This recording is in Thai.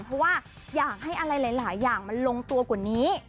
เพราะว่าอยากให้อะไรหลายอย่างมันลงตัวกว่านี้